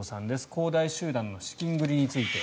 恒大集団の資金繰りについて。